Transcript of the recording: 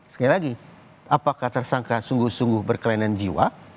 sekali lagi apakah tersangka sungguh sungguh berkelainan jiwa